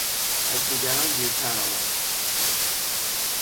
از دیگران دیرتر آمد.